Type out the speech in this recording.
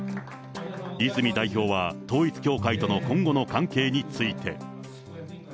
泉代表は、統一教会との今後の関係について。